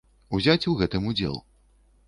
Узяць у гэтым удзел.